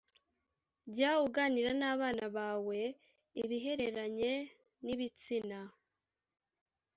Jya uganira n abana bawe ibihereranye n ibitsina